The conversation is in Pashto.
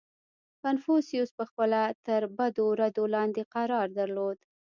• کنفوسیوس پهخپله تر بدو ردو لاندې قرار درلود.